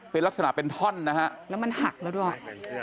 เป็นลักษณะเป็นท่อนนะฮะแล้วมันหักแล้วด้วย